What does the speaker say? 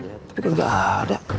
ya tapi kagak ada